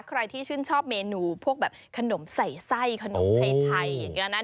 ใครที่ชื่นชอบเมนูพวกแบบขนมใส่ไส้ขนมไทยอย่างนี้นะ